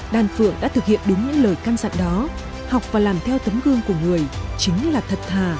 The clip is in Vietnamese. đàn phượng đã thực hiện đúng những lời can dặn đó học và làm theo tâm gương của người chính là thật thà chăm lo cho dân